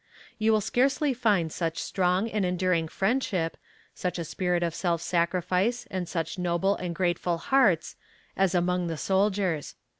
You will scarcely find such strong and enduring friendship such a spirit of self sacrifice, and such noble and grateful hearts, as among the soldiers.